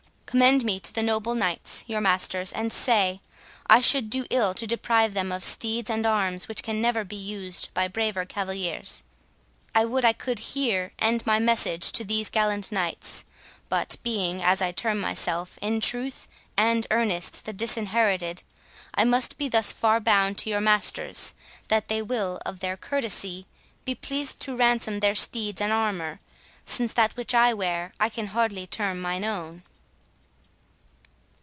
Commend me to the noble knights, your masters, and say, I should do ill to deprive them of steeds and arms which can never be used by braver cavaliers.—I would I could here end my message to these gallant knights; but being, as I term myself, in truth and earnest, the Disinherited, I must be thus far bound to your masters, that they will, of their courtesy, be pleased to ransom their steeds and armour, since that which I wear I can hardly term mine own."